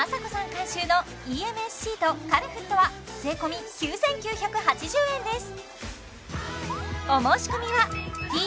監修のＥＭＳシートカルフットは税込９９８０円です